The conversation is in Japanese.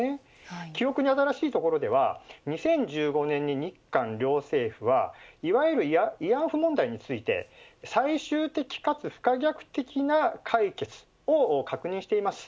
記憶に新しいところでは２０１５年に日韓両政府はいわゆる慰安婦問題について最終的かつ不可逆的な解決を確認しています。